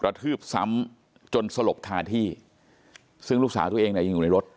ทืบซ้ำจนสลบคาที่ซึ่งลูกสาวตัวเองเนี่ยยังอยู่ในรถ